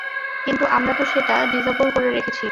কিন্তু আমরা তো সেটা ডিজ্যাবল করে রেখেছি।